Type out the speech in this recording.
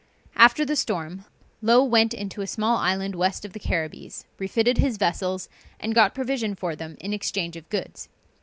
After the storm, Low went into a small island west of the Carribbees, refitted his vessels, and got provision for them in exchange of goods.